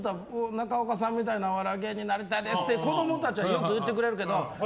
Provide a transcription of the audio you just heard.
中岡さんみたいなお笑い芸人になりたいですって子供たちはよく言ってくれるけど。